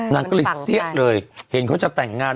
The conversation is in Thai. นางก็เลยเสี้ยเลยเห็นเขาจะแต่งงาน